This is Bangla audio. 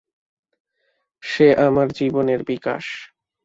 সে আমার জীবনের বিকাশ।